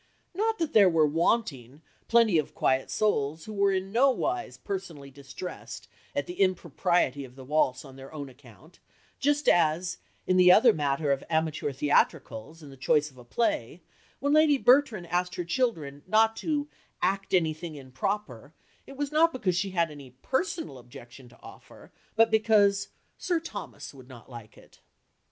Not that there were wanting plenty of quiet souls who were in nowise personally distressed at the "impropriety" of the waltz on their own account, just as, in the other matter of amateur theatricals, and the choice of a play, when Lady Bertram asked her children not to "act anything improper," it was not because she had any personal objection to offer, but because "Sir Thomas would not like it."